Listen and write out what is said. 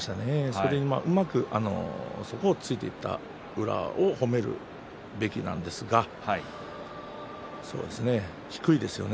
それにうまくついていった宇良を褒めるべきなんですが低いですよね